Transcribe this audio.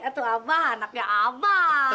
itu abah anaknya abah